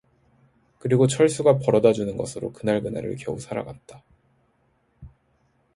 그리고 철수가 벌어다 주는것으로 그날그날을 겨우 살아갔다.